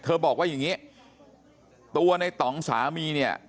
บอกว่าอย่างนี้ตัวในต่องสามีเนี่ย